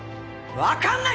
わかんない！